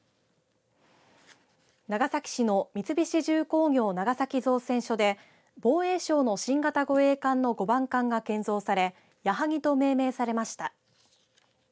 長崎市の三菱重工業長崎造船所で防衛省の新型護衛艦の５番艦が建造されやはぎと命名されました。